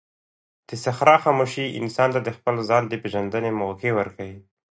د صحرا خاموشي انسان ته د خپل ځان د پېژندنې موقع ورکوي.